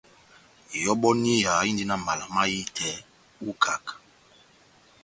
Ihɔbɔniya indi na mala mahitɛ ó ikaká.